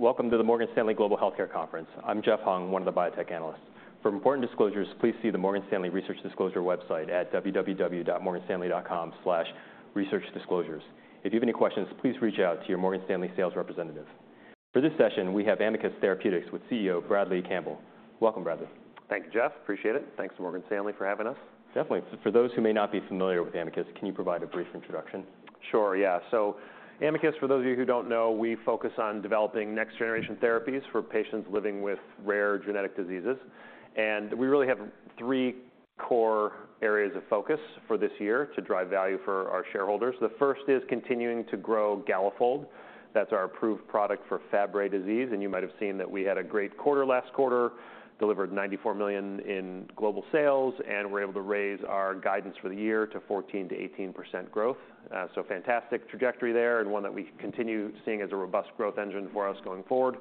Welcome to the Morgan Stanley Global Healthcare Conference. I'm Jeff Hung, one of the biotech analysts. For important disclosures, please see the Morgan Stanley Research Disclosure website at www.morganstanley.com/researchdisclosures. If you have any questions, please reach out to your Morgan Stanley sales representative. For this session, we have Amicus Therapeutics with CEO Bradley Campbell. Welcome, Bradley. Thank you, Jeff. Appreciate it. Thanks to Morgan Stanley for having us. Definitely. For those who may not be familiar with Amicus, can you provide a brief introduction? Sure, yeah. So Amicus, for those of you who don't know, we focus on developing next-generation therapies for patients living with rare genetic diseases, and we really have three core areas of focus for this year to drive value for our shareholders. The first is continuing to grow Galafold. That's our approved product for Fabry disease, and you might have seen that we had a great quarter last quarter, delivered $94 million in global sales, and we're able to raise our guidance for the year to 14%-18% growth. So fantastic trajectory there, and one that we continue seeing as a robust growth engine for us going forward.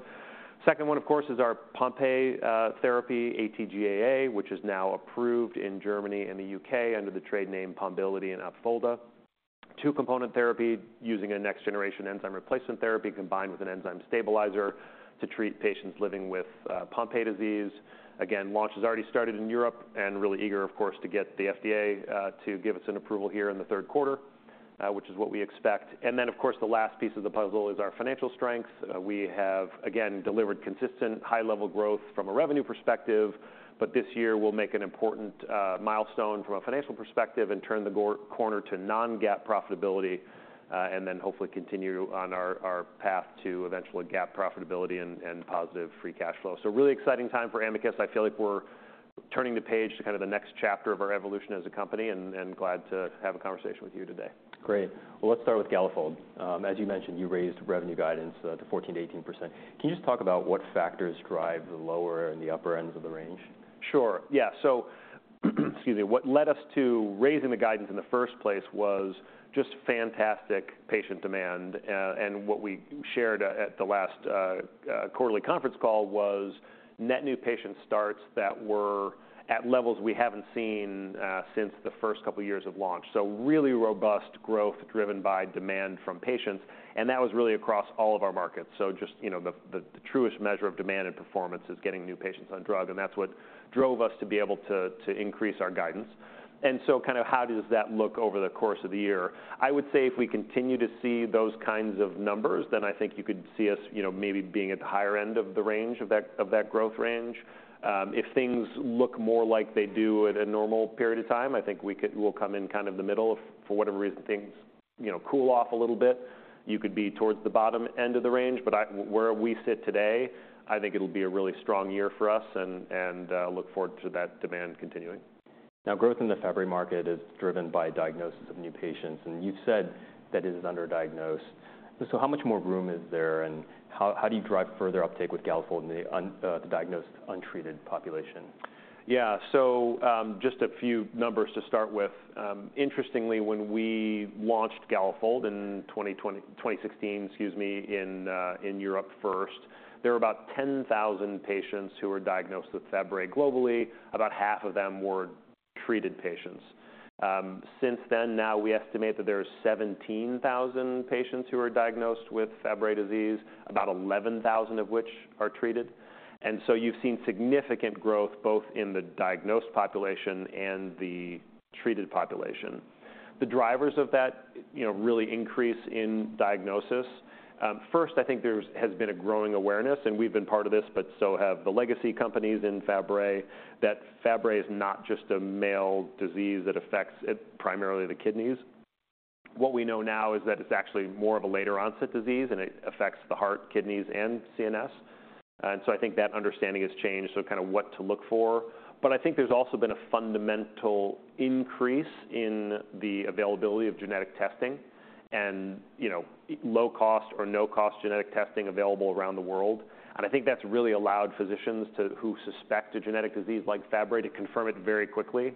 Second one, of course, is our Pompe therapy, AT-GAA, which is now approved in Germany and the UK under the trade name Pombiliti and Opfolda. Two-component therapy using a next-generation enzyme replacement therapy combined with an enzyme stabilizer to treat patients living with Pompe disease. Again, launch has already started in Europe and really eager, of course, to get the FDA to give us an approval here in the Q3, which is what we expect. And then, of course, the last piece of the puzzle is our financial strength. We have, again, delivered consistent high-level growth from a revenue perspective, but this year we'll make an important milestone from a financial perspective and turn the corner to non-GAAP profitability, and then hopefully continue on our path to eventually GAAP profitability and positive free cash flow. So really exciting time for Amicus. I feel like we're turning the page to kind of the next chapter of our evolution as a company, and glad to have a conversation with you today. Great. Well, let's start with Galafold. As you mentioned, you raised revenue guidance to 14%-18%. Can you just talk about what factors drive the lower and the upper ends of the range? Sure. Yeah. So, excuse me. What led us to raising the guidance in the first place was just fantastic patient demand, and what we shared at the last quarterly conference call was net new patient starts that were at levels we haven't seen since the first couple of years of launch. So really robust growth driven by demand from patients, and that was really across all of our markets. So just, you know, the truest measure of demand and performance is getting new patients on drug, and that's what drove us to be able to increase our guidance. And so kind of how does that look over the course of the year? I would say if we continue to see those kinds of numbers, then I think you could see us, you know, maybe being at the higher end of the range of that growth range. If things look more like they do at a normal period of time, I think we'll come in kind of the middle. If for whatever reason, things, you know, cool off a little bit, you could be towards the bottom end of the range. But where we sit today, I think it'll be a really strong year for us, and look forward to that demand continuing. Now, growth in the Fabry market is driven by diagnosis of new patients, and you've said that it is underdiagnosed. So how much more room is there, and how do you drive further uptake with Galafold in the undiagnosed, untreated population? Yeah. So, just a few numbers to start with. Interestingly, when we launched Galafold in 2020... 2016, excuse me, in Europe first, there were about 10,000 patients who were diagnosed with Fabry globally. About half of them were treated patients. Since then, now we estimate that there are 17,000 patients who are diagnosed with Fabry disease, about 11,000 of which are treated. And so you've seen significant growth both in the diagnosed population and the treated population. The drivers of that, you know, really increase in diagnosis. First, I think there has been a growing awareness, and we've been part of this, but so have the legacy companies in Fabry, that Fabry is not just a male disease that affects it primarily the kidneys. What we know now is that it's actually more of a later onset disease, and it affects the heart, kidneys, and CNS. And so I think that understanding has changed, so kind of what to look for. But I think there's also been a fundamental increase in the availability of genetic testing and, you know, low-cost or no-cost genetic testing available around the world. And I think that's really allowed physicians to... who suspect a genetic disease like Fabry, to confirm it very quickly.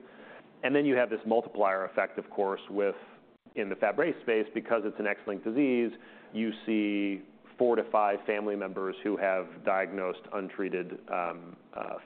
And then you have this multiplier effect, of course, within the Fabry space, because it's an X-linked disease, you see four to five family members who have diagnosed untreated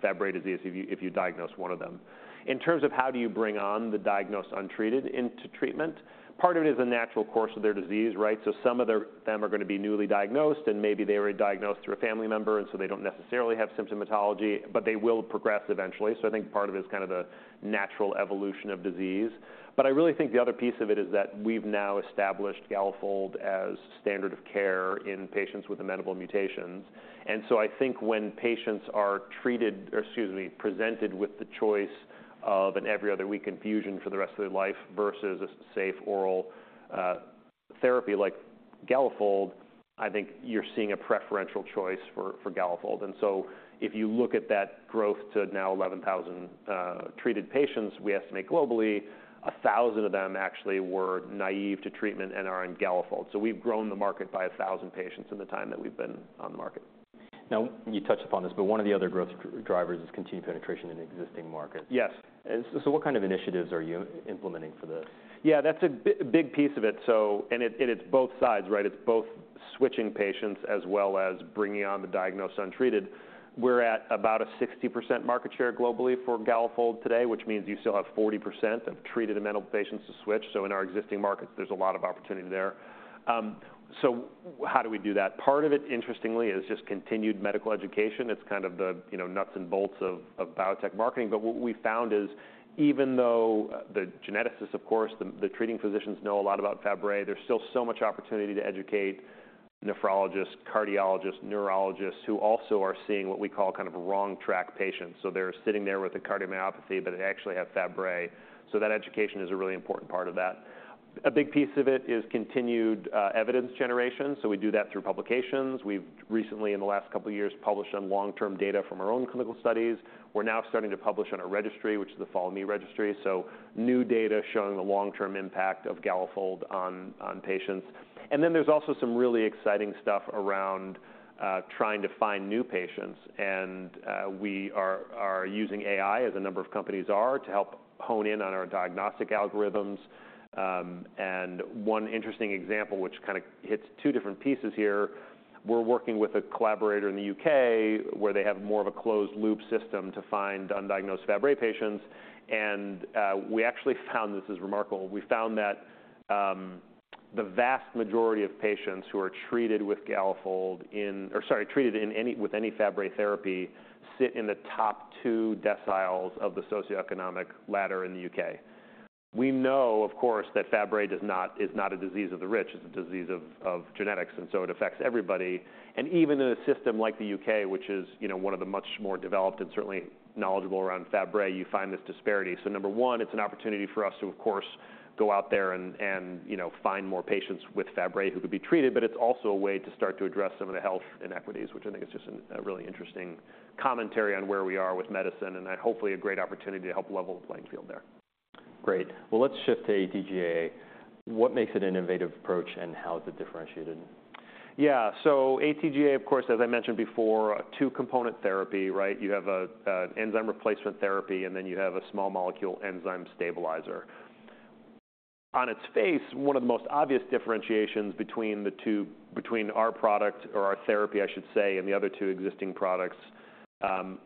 Fabry disease, if you diagnose one of them. In terms of how do you bring on the diagnosed untreated into treatment, part of it is the natural course of their disease, right? So some of them are gonna be newly diagnosed, and maybe they were diagnosed through a family member, and so they don't necessarily have symptomatology, but they will progress eventually. So I think part of it is kind of the natural evolution of disease. But I really think the other piece of it is that we've now established Galafold as standard of care in patients with amenable mutations. And so I think when patients are treated, or excuse me, presented with the choice of an every other week infusion for the rest of their life versus a safe oral therapy like Galafold, I think you're seeing a preferential choice for Galafold. If you look at that growth to now 11,000 treated patients, we estimate globally, 1,000 of them actually were naive to treatment and are on Galafold. We've grown the market by 1,000 patients in the time that we've been on the market. Now, you touched upon this, but one of the other growth drivers is continued penetration in existing markets. Yes. What kind of initiatives are you implementing for this? Yeah, that's a big piece of it, so... And it's both sides, right? It's both switching patients as well as bringing on the diagnosed untreated. We're at about a 60% market share globally for Galafold today, which means you still have 40% of treated amenable patients to switch. So in our existing markets, there's a lot of opportunity there. So how do we do that? Part of it, interestingly, is just continued medical education. It's kind of the, you know, nuts and bolts of biotech marketing. But what we found is, even though the geneticists, of course, the treating physicians know a lot about Fabry, there's still so much opportunity to educate nephrologists, cardiologists, neurologists, who also are seeing what we call kind of a wrong track patients. So they're sitting there with a cardiomyopathy, but they actually have Fabry. So that education is a really important part of that. A big piece of it is continued evidence generation, so we do that through publications. We've recently, in the last couple of years, published on long-term data from our own clinical studies. We're now starting to publish on a registry, which is the FollowME registry, so new data showing the long-term impact of Galafold on patients. And then there's also some really exciting stuff around trying to find new patients, and we are using AI, as a number of companies are, to help hone in on our diagnostic algorithms. And one interesting example, which kind of hits two different pieces here, we're working with a collaborator in the U.K., where they have more of a closed-loop system to find undiagnosed Fabry patients. And we actually found - this is remarkable. We found that the vast majority of patients who are treated with Galafold, or sorry, treated with any Fabry therapy, sit in the top two deciles of the socioeconomic ladder in the U.K. We know, of course, that Fabry is not a disease of the rich, it's a disease of genetics, and so it affects everybody. And even in a system like the U.K., which is, you know, one of the much more developed and certainly knowledgeable around Fabry, you find this disparity. So number one, it's an opportunity for us to, of course, go out there and, you know, find more patients with Fabry who could be treated, but it's also a way to start to address some of the health inequities, which I think is just a really interesting commentary on where we are with medicine, and hopefully a great opportunity to help level the playing field there. Great. Well, let's shift to AT-GAA. What makes it an innovative approach, and how is it differentiated? Yeah. So AT-GAA, of course, as I mentioned before, a two-component therapy, right? You have a enzyme replacement therapy, and then you have a small molecule enzyme stabilizer. On its face, one of the most obvious differentiations between our product or our therapy, I should say, and the other two existing products,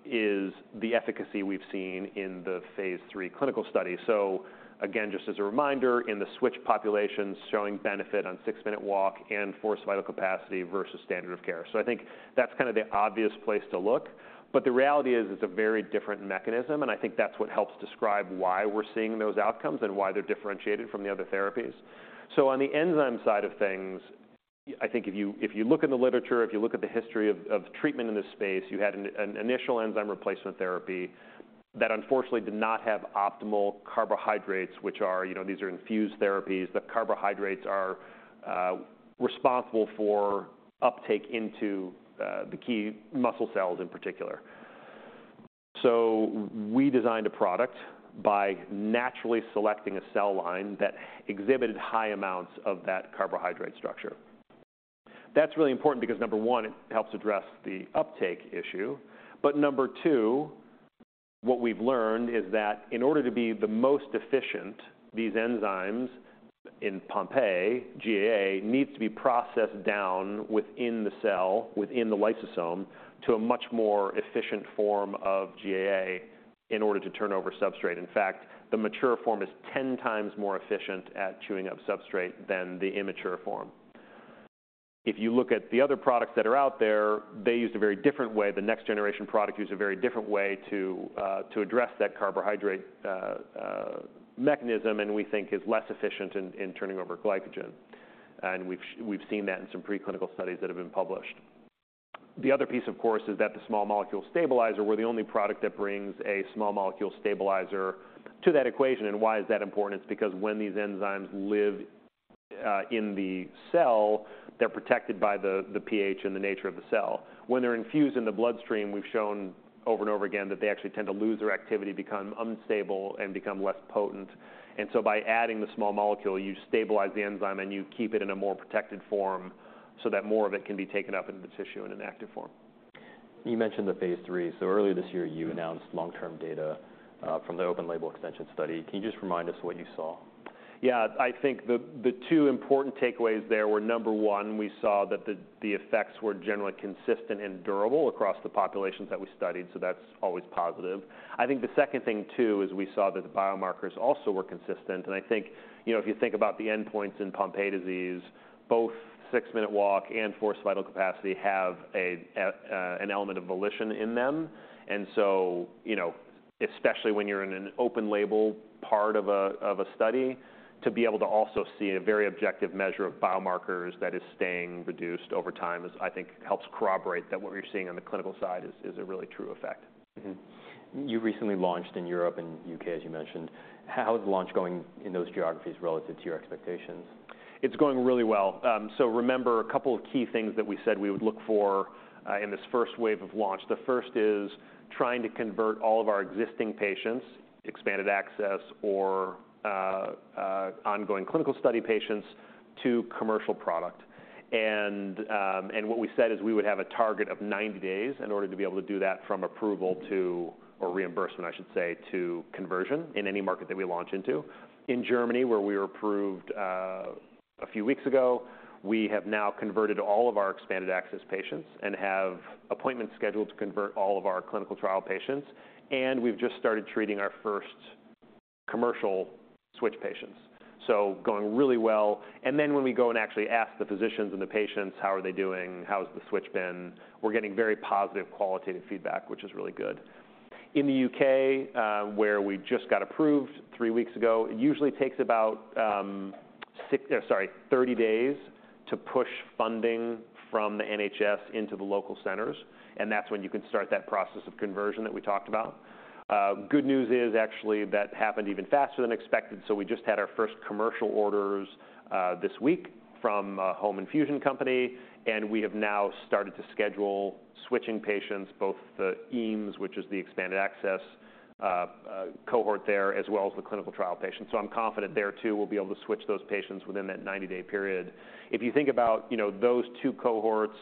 is the efficacy we've seen in the Phase III clinical study. So again, just as a reminder, in the switch populations, showing benefit on six-minute walk and forced vital capacity versus standard of care. So I think that's kind of the obvious place to look. But the reality is, it's a very different mechanism, and I think that's what helps describe why we're seeing those outcomes and why they're differentiated from the other therapies. So on the enzyme side of things, I think if you, if you look in the literature, if you look at the history of, of treatment in this space, you had an, an initial enzyme replacement therapy that unfortunately did not have optimal carbohydrates, which are... You know, these are infused therapies. The carbohydrates are responsible for uptake into the key muscle cells in particular. So we designed a product by naturally selecting a cell line that exhibited high amounts of that carbohydrate structure. That's really important because, number one, it helps address the uptake issue. But number two, what we've learned is that in order to be the most efficient, these enzymes in Pompe, GAA, needs to be processed down within the cell, within the lysosome, to a much more efficient form of GAA in order to turn over substrate. In fact, the mature form is 10 times more efficient at chewing up substrate than the immature form. If you look at the other products that are out there, they use a very different way. The next generation product use a very different way to to address that carbohydrate mechanism, and we think is less efficient in turning over glycogen. And we've seen that in some preclinical studies that have been published. The other piece, of course, is that the small molecule stabilizer, we're the only product that brings a small molecule stabilizer to that equation. And why is that important? It's because when these enzymes live in the cell, they're protected by the pH and the nature of the cell. When they're infused in the bloodstream, we've shown over and over again that they actually tend to lose their activity, become unstable, and become less potent. And so by adding the small molecule, you stabilize the enzyme, and you keep it in a more protected form so that more of it can be taken up into the tissue in an active form. You mentioned the Phase III. Earlier this year, you announced long-term data from the open label extension study. Can you just remind us what you saw? Yeah. I think the, the two important takeaways there were, number one, we saw that the, the effects were generally consistent and durable across the populations that we studied, so that's always positive. I think the second thing too, is we saw that the biomarkers also were consistent. And I think, you know, if you think about the endpoints in Pompe disease, both six-minute walk and forced vital capacity have a, an element of volition in them. And so, you know, especially when you're in an open label part of a, of a study, to be able to also see a very objective measure of biomarkers that is staying reduced over time is, I think, helps corroborate that what we're seeing on the clinical side is, is a really true effect. Mm-hmm. You recently launched in Europe and U.K., as you mentioned. How is the launch going in those geographies relative to your expectations? It's going really well. So remember, a couple of key things that we said we would look for in this first wave of launch. The first is trying to convert all of our existing patients, expanded access or ongoing clinical study patients to commercial product. And what we said is we would have a target of 90 days in order to be able to do that from approval to or reimbursement, I should say, to conversion in any market that we launch into. In Germany, where we were approved a few weeks ago, we have now converted all of our expanded access patients and have appointments scheduled to convert all of our clinical trial patients, and we've just started treating our first commercial switch patients. So going really well. Then when we go and actually ask the physicians and the patients, how are they doing? How has the switch been? We're getting very positive qualitative feedback, which is really good. In the UK, where we just got approved three weeks ago, it usually takes about, sorry, 30 days to push funding from the NHS into the local centers, and that's when you can start that process of conversion that we talked about. Good news is actually that happened even faster than expected, so we just had our first commercial orders this week from a home infusion company, and we have now started to schedule switching patients, both the EAMS, which is the expanded access cohort there, as well as the clinical trial patients. So I'm confident there, too, we'll be able to switch those patients within that 90-day period. If you think about, you know, those two cohorts,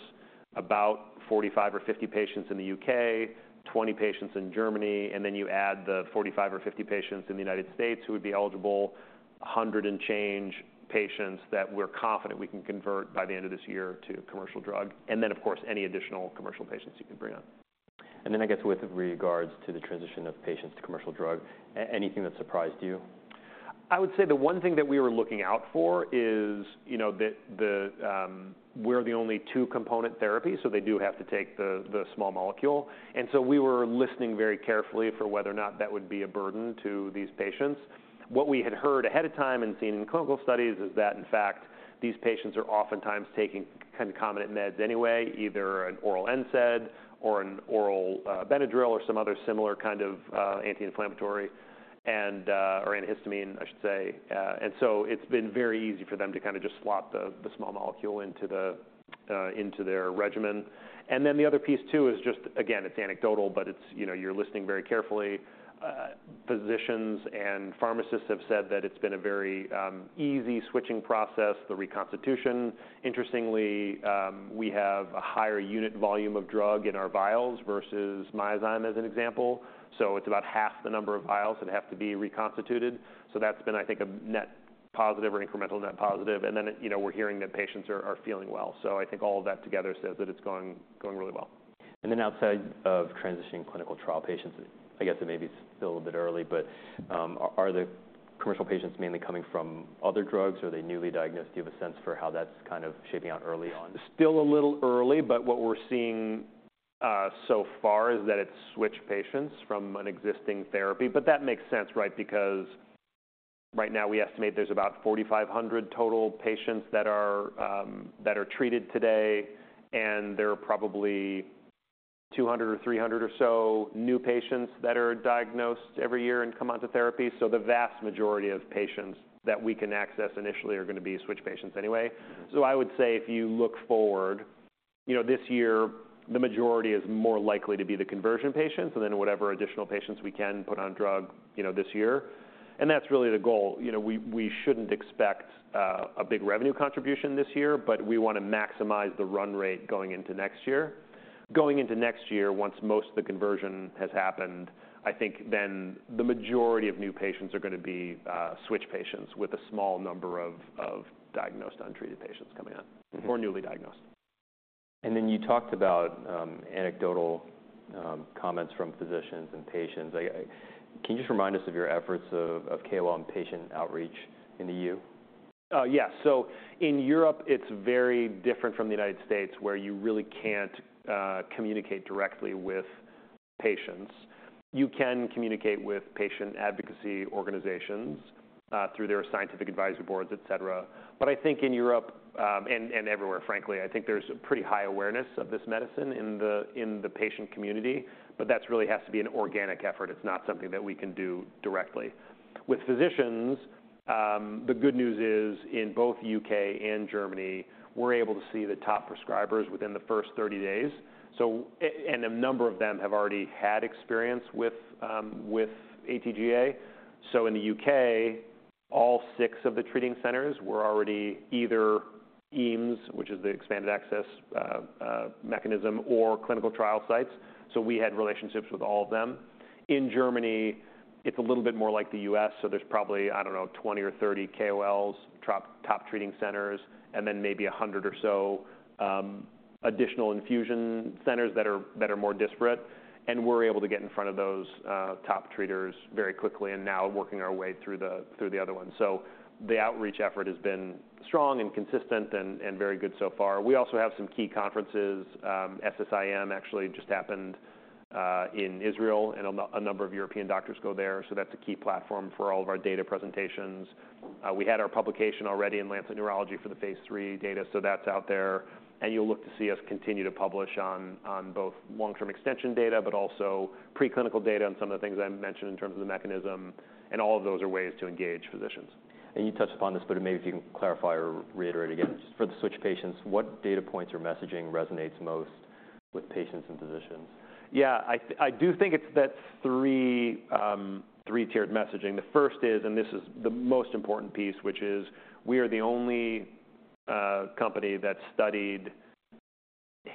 about 45 or 50 patients in the UK, 20 patients in Germany, and then you add the 45 or 50 patients in the United States who would be eligible, 100+ patients that we're confident we can convert by the end of this year to commercial drug, and then, of course, any additional commercial patients you can bring on. And then I guess with regards to the transition of patients to commercial drug, anything that surprised you? I would say the one thing that we were looking out for is, you know, we're the only two-component therapy, so they do have to take the small molecule. And so we were listening very carefully for whether or not that would be a burden to these patients. What we had heard ahead of time and seen in clinical studies is that, in fact, these patients are oftentimes taking kind of concomitant meds anyway, either an oral NSAID or an oral Benadryl or some other similar kind of anti-inflammatory and or antihistamine, I should say. And so it's been very easy for them to kinda just swap the small molecule into their regimen. And then the other piece, too, is just... Again, it's anecdotal, but it's, you know, you're listening very carefully. Physicians and pharmacists have said that it's been a very easy switching process, the reconstitution. Interestingly, we have a higher unit volume of drug in our vials versus Myozyme, as an example. So it's about half the number of vials that have to be reconstituted. So that's been, I think, a net positive or incremental net positive, and then it, you know, we're hearing that patients are feeling well. So I think all of that together says that it's going really well. And then outside of transitioning clinical trial patients, I guess it may be still a little bit early, but are the commercial patients mainly coming from other drugs, or are they newly diagnosed? Do you have a sense for how that's kind of shaping out early on? Still a little early, but what we're seeing, so far is that it's switched patients from an existing therapy. But that makes sense, right? Because right now, we estimate there's about 4,500 total patients that are, that are treated today, and there are probably 200 or 300 or so new patients that are diagnosed every year and come onto therapy. So the vast majority of patients that we can access initially are gonna be switch patients anyway. Mm-hmm. So I would say if you look forward, you know, this year, the majority is more likely to be the conversion patients and then whatever additional patients we can put on drug, you know, this year. And that's really the goal. You know, we, we shouldn't expect a big revenue contribution this year, but we want to maximize the run rate going into next year. Going into next year, once most of the conversion has happened, I think then the majority of new patients are gonna be switch patients with a small number of diagnosed, untreated patients coming in. Mm-hmm. Or newly diagnosed. And then you talked about anecdotal comments from physicians and patients. Can you just remind us of your efforts of KOL and patient outreach in the EU? Yeah. So in Europe, it's very different from the United States, where you really can't communicate directly with patients. You can communicate with patient advocacy organizations through their scientific advisory boards, et cetera. But I think in Europe, and everywhere, frankly, I think there's a pretty high awareness of this medicine in the patient community, but that's really has to be an organic effort. It's not something that we can do directly. With physicians, the good news is, in both U.K. and Germany, we're able to see the top prescribers within the first 30 days. So and a number of them have already had experience with AT-GAA. So in the UK, all six of the treating centers were already either EAMS, which is the expanded access mechanism or clinical trial sites, so we had relationships with all of them. In Germany, it's a little bit more like the US, so there's probably, I don't know, 20 or 30 KOLs, top treating centers, and then maybe 100 or so additional infusion centers that are more disparate, and we're able to get in front of those top treaters very quickly and now working our way through the other ones. So the outreach effort has been strong and consistent and very good so far. We also have some key conferences. SSIEM actually just happened in Israel, and a number of European doctors go there, so that's a key platform for all of our data presentations. We had our publication already in Lancet Neurology for the Phase III data, so that's out there. You'll look to see us continue to publish on both long-term extension data, but also preclinical data on some of the things I mentioned in terms of the mechanism, and all of those are ways to engage physicians. You touched upon this, but maybe if you can clarify or reiterate again, just for the switch patients, what data points or messaging resonates most with patients and physicians? Yeah, I do think it's that three-tiered messaging. The first is, and this is the most important piece, which is we are the only company that studied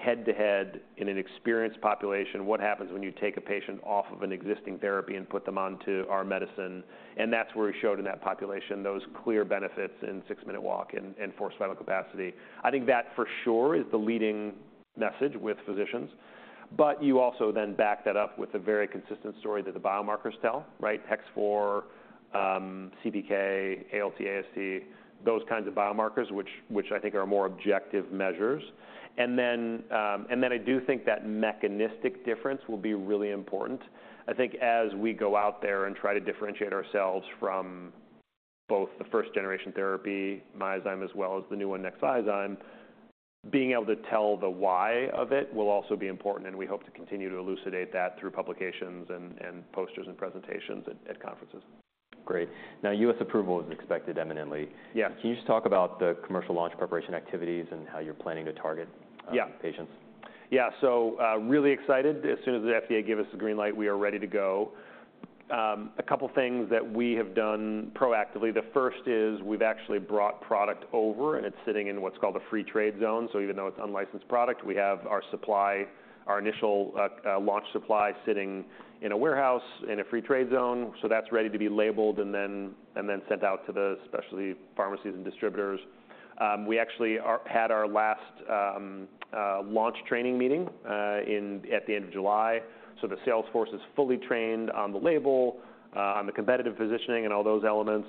head-to-head in an experienced population, what happens when you take a patient off of an existing therapy and put them onto our medicine? And that's where we showed in that population, those clear benefits in six-minute walk and forced vital capacity. I think that, for sure, is the leading message with physicians. But you also then back that up with a very consistent story that the biomarkers tell, right? Hex4, CK, ALT, AST, those kinds of biomarkers, which I think are more objective measures. And then I do think that mechanistic difference will be really important. I think as we go out there and try to differentiate ourselves from both the first-generation therapy, Myozyme, as well as the new one, Nexviazyme, being able to tell the why of it will also be important, and we hope to continue to elucidate that through publications and posters and presentations at conferences. Great. Now, U.S. approval is expected imminently. Yeah. Can you just talk about the commercial launch preparation activities and how you're planning to target? Yeah - patients? Yeah. So, really excited. As soon as the FDA give us the green light, we are ready to go. A couple things that we have done proactively. The first is we've actually brought product over, and it's sitting in what's called a free trade zone. So even though it's unlicensed product, we have our supply, our initial launch supply sitting in a warehouse in a free trade zone, so that's ready to be labeled and then sent out to the specialty pharmacies and distributors. We actually had our last launch training meeting at the end of July, so the sales force is fully trained on the label, on the competitive positioning, and all those elements.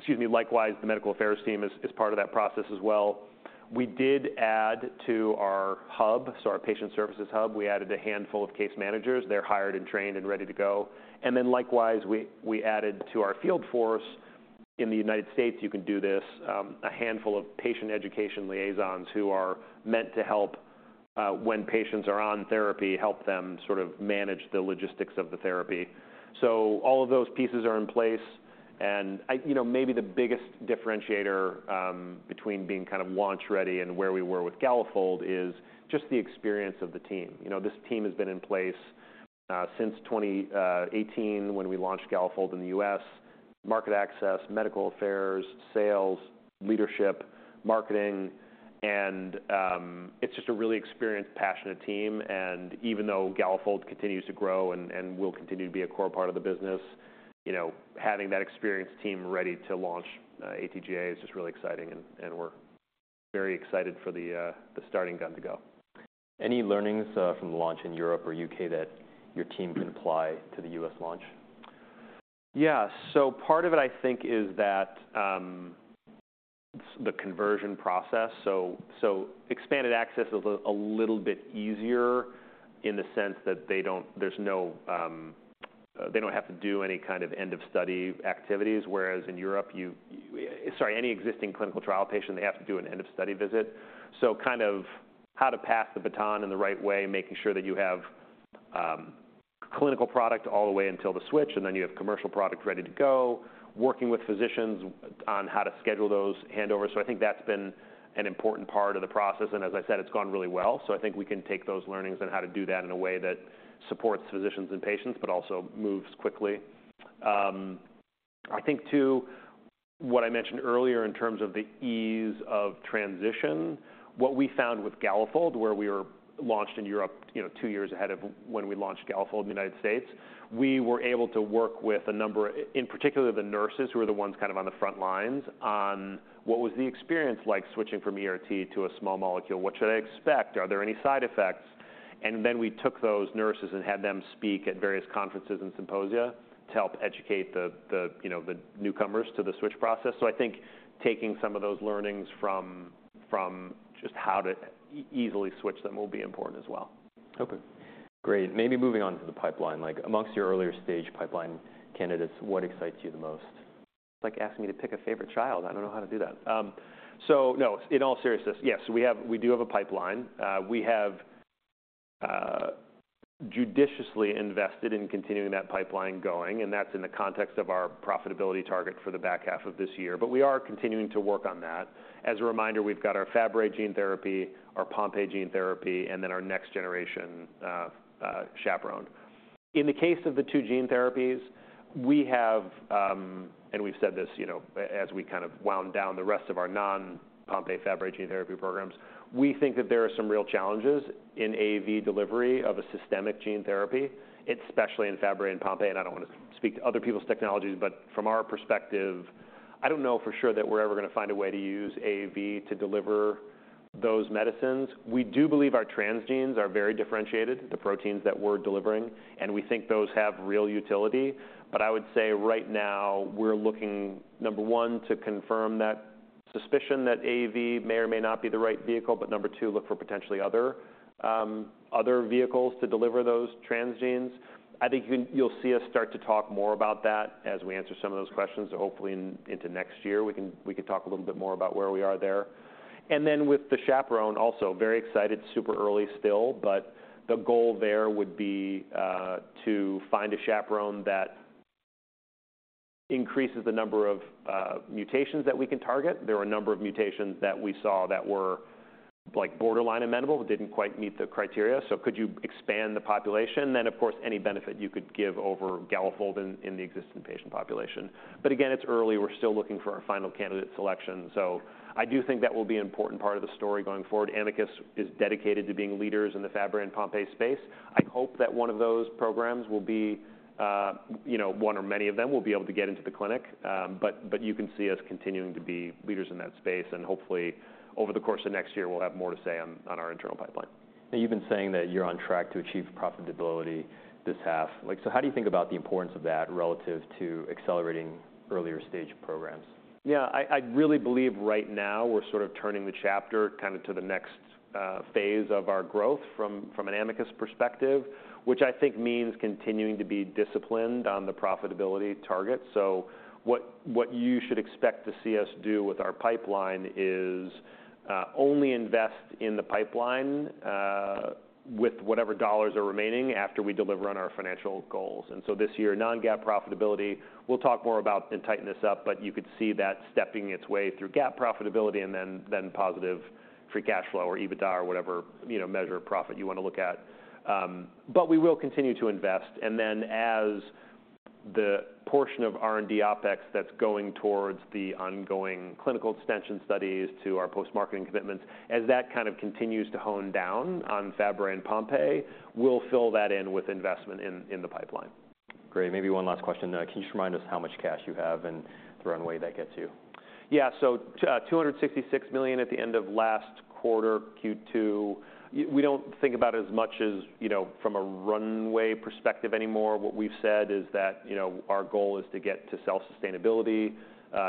Excuse me. Likewise, the medical affairs team is part of that process as well. We did add to our hub, so our patient services hub, we added a handful of case managers. They're hired and trained and ready to go. And then likewise, we, we added to our field force. In the United States, you can do this, a handful of patient education liaisons who are meant to help, when patients are on therapy, help them sort of manage the logistics of the therapy. So all of those pieces are in place, and... You know, maybe the biggest differentiator, between being kind of launch-ready and where we were with Galafold is just the experience of the team. You know, this team has been in place, since 2018, when we launched Galafold in the U.S. Market access, medical affairs, sales, leadership, marketing, and it's just a really experienced, passionate team, and even though Galafold continues to grow and will continue to be a core part of the business, you know, having that experienced team ready to launch AT-GAA is just really exciting, and we're very excited for the starting gun to go. Any learnings from the launch in Europe or UK that your team can apply to the US launch? Yeah. So part of it, I think, is that, the conversion process. So expanded access is a little bit easier in the sense that they don't-- there's no, they don't have to do any kind of end-of-study activities, whereas in Europe, Sorry, any existing clinical trial patient, they have to do an end-of-study visit. So kind of how to pass the baton in the right way, making sure that you have, clinical product all the way until the switch, and then you have commercial product ready to go, working with physicians on how to schedule those handovers. So I think that's been an important part of the process, and as I said, it's gone really well. So I think we can take those learnings on how to do that in a way that supports physicians and patients, but also moves quickly. I think, too, what I mentioned earlier in terms of the ease of transition, what we found with Galafold, where we were launched in Europe, you know, two years ahead of when we launched Galafold in the United States, we were able to work with a number, in particular, the nurses, who were the ones kind of on the front lines, on what was the experience like switching from ERT to a small molecule? What should I expect? Are there any side effects? And then we took those nurses and had them speak at various conferences and symposia to help educate the, you know, the newcomers to the switch process. So I think taking some of those learnings from just how to easily switch them will be important as well. Okay, great. Maybe moving on to the pipeline, like among your earlier stage pipeline candidates, what excites you the most? It's like asking me to pick a favorite child. I don't know how to do that. So no, in all seriousness, yes, we have we do have a pipeline. We have, judiciously invested in continuing that pipeline going, and that's in the context of our profitability target for the back half of this year, but we are continuing to work on that. As a reminder, we've got our Fabry gene therapy, our Pompe gene therapy, and then our next generation, chaperone. In the case of the two gene therapies, we have, and we've said this, you know, as we kind of wound down the rest of our non-Pompe/Fabry gene therapy programs. We think that there are some real challenges in AAV delivery of a systemic gene therapy, especially in Fabry and Pompe, and I don't wanna speak to other people's technologies, but from our perspective, I don't know for sure that we're ever gonna find a way to use AAV to deliver those medicines. We do believe our transgenes are very differentiated, the proteins that we're delivering, and we think those have real utility. But I would say right now, we're looking, number one, to confirm that suspicion that AAV may or may not be the right vehicle, but number two, look for potentially other, other vehicles to deliver those transgenes. I think you, you'll see us start to talk more about that as we answer some of those questions. So hopefully into next year, we can talk a little bit more about where we are there. And then with the chaperone, also very excited, super early still, but the goal there would be to find a chaperone that increases the number of mutations that we can target. There are a number of mutations that we saw that were, like, borderline amenable, but didn't quite meet the criteria. So could you expand the population? Then, of course, any benefit you could give over Galafold in the existing patient population. But again, it's early. We're still looking for our final candidate selection. So I do think that will be an important part of the story going forward. Amicus is dedicated to being leaders in the Fabry and Pompe space. I hope that one of those programs will be, you know, one or many of them will be able to get into the clinic. You can see us continuing to be leaders in that space, and hopefully, over the course of next year, we'll have more to say on our internal pipeline. You've been saying that you're on track to achieve profitability this half. Like, so how do you think about the importance of that relative to accelerating earlier-stage programs? Yeah, I really believe right now we're sort of turning the chapter kind of to the next phase of our growth from an Amicus perspective, which I think means continuing to be disciplined on the profitability target. So what you should expect to see us do with our pipeline is only invest in the pipeline with whatever dollars are remaining after we deliver on our financial goals. And so this year, non-GAAP profitability, we'll talk more about and tighten this up, but you could see that stepping its way through GAAP profitability and then positive free cash flow or EBITDA or whatever, you know, measure of profit you want to look at. But we will continue to invest. And then as the portion of R&D Opex that's going towards the ongoing clinical extension studies to our post-marketing commitments, as that kind of continues to hone down on Fabry and Pompe, we'll fill that in with investment in, in the pipeline. Great. Maybe one last question then. Can you just remind us how much cash you have and the runway that gets you? Yeah. So, $266 million at the end of last quarter, Q2. We don't think about it as much as, you know, from a runway perspective anymore. What we've said is that, you know, our goal is to get to self-sustainability.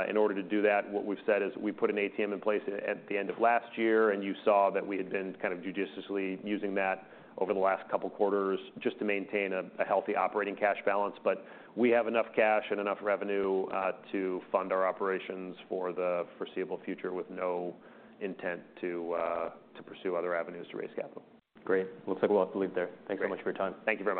In order to do that, what we've said is we put an ATM in place at the end of last year, and you saw that we had been kind of judiciously using that over the last couple of quarters just to maintain a healthy operating cash balance. But we have enough cash and enough revenue to fund our operations for the foreseeable future, with no intent to pursue other avenues to raise capital. Great. Looks like we'll have to leave there. Great. Thanks so much for your time. Thank you very much.